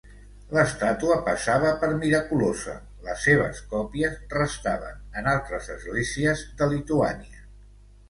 L'estàtua passava per miraculosa, les seves còpies restaven en altres esglésies de Lituània.